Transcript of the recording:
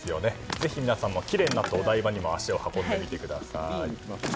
ぜひ皆さんもきれいになったお台場にも足を運んでみてください。